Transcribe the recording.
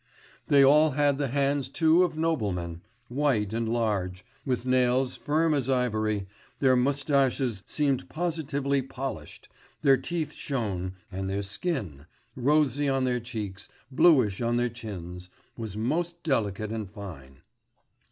They all had the hands too of noblemen white and large, with nails firm as ivory; their moustaches seemed positively polished, their teeth shone, and their skin rosy on their cheeks, bluish on their chins was most delicate and fine.